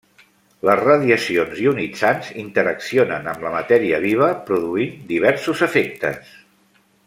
Les radiacions ionitzants interaccionen amb la matèria viva, produint diversos efectes.